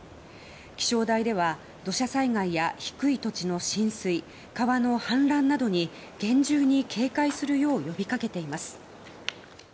気象台では土砂災害や低い土地の浸水川の氾濫などに厳重に警戒するよう呼びかけています。